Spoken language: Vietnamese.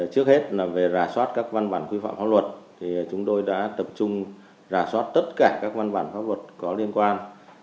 trước hết là về rà soát các văn bản quy phạm pháp luật chúng tôi đã tập trung rà soát tất cả các văn bản pháp luật có liên quan